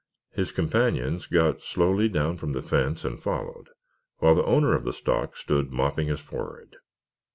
His companions got slowly down from the fence and followed, while the owner of the stock stood mopping his forehead.